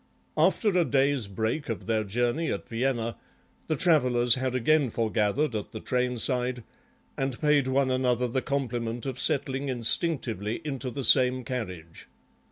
After a day's break of their journey at Vienna the travellers had again foregathered at the trainside and paid one another the compliment of settling instinctively into the same carriage.